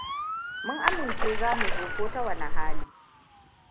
Mun amince za mu zo ko ta wane hali.